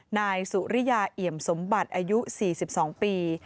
นายสุริยาเอี่ยมสมบัติอายุ๔๒ปี